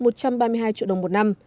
một trăm ba mươi hai triệu đồng một năm